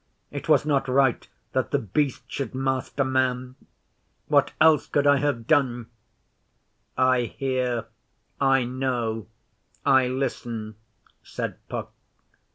It was not right that The Beast should master man. What else could I have done?' 'I hear. I know. I listen,' said Puck.